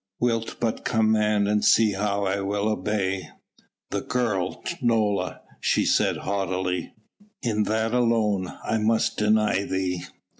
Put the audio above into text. "Wilt but command and see how I will obey." "The girl Nola!" she said haughtily. "In that alone I must deny thee."